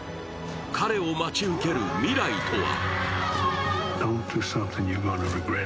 彼を待ち受ける未来とは？